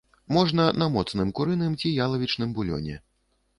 Можна на моцным курыным ці ялавічным булёне.